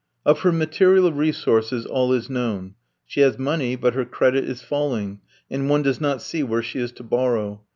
Of her material resources all is known. She has money, but her credit is falling, and one does not see where she is to borrow.